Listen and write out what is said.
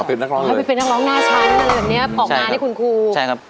ไปเป็นนักรองน่าช้ายอย่างนี้